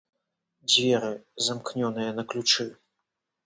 Дзверы, замкнёныя на ключы.